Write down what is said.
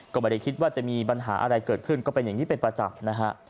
ก็ไม่ได้คิดว่าจะมีปัญหาอะไรเกิดขึ้นก็เป็นอย่างนี้เป็นประจำนะฮะ